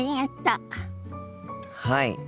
はい。